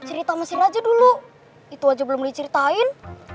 cerita mesin aja dulu itu aja belum diceritain